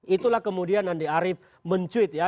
itulah kemudian andi arief mencuit ya